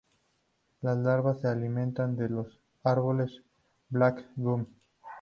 Las larvas se alimentan de los árboles Black gum.